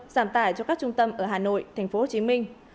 giảm tải cho các trung tâm ở hà nội tp hcm